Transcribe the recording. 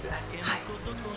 はい。